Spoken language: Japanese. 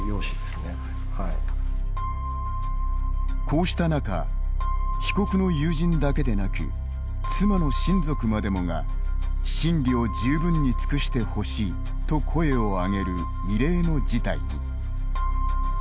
こうした中被告の友人だけでなく妻の親族までもが審理を十分に尽くしてほしいと声を上げる異例の事態に。